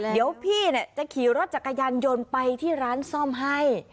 เดี๋ยวพี่จะขี่รถจักรยานยนต์ไปที่ร้านซ่อมให้